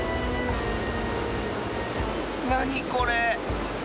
なにこれ？